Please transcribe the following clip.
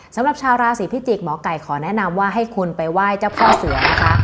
สำหรับชาวราศีพิจิกษ์หมอไก่ขอแนะนำว่าให้คุณไปไหว้เจ้าพ่อเสือนะคะ